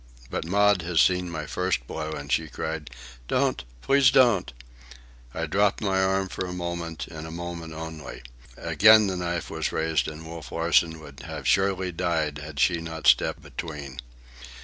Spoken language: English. But Maud had seen my first blow, and she cried, "Don't! Please don't!" I dropped my arm for a moment, and a moment only. Again the knife was raised, and Wolf Larsen would have surely died had she not stepped between.